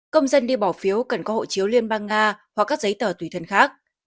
công dân đi bỏ phiếu cần có hộ chiếu liên bang nga hoặc các giấy tờ tùy thân khác